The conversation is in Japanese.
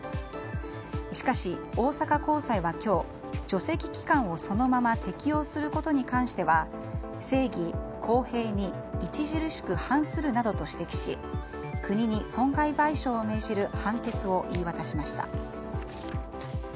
しかし大阪高裁は今日除斥期間をそのまま適用することに関しては正義・公平に著しく反するなどと指摘し国に損害賠償を命じる判決を言い渡しました。